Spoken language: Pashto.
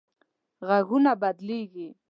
غږونه بدلېږي